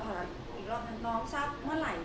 ขอถามอีกรอบครับน้องทรัพย์เมื่อไหร่